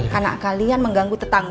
karena kalian mengganggu tetangga